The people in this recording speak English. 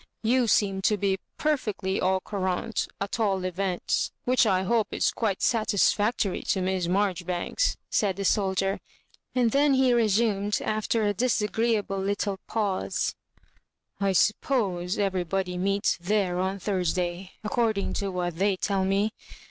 You seem to be perfectly an cowanty at all events — which I hope is quite satisfactory to Miss Marjoribanks," said the soldier ; and then he resumed after a disa greeable little pause, *' I suppose everybody meets Ihare on Thursday, according to what they tell me.